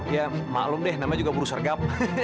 ya maklum deh namanya juga buru sergap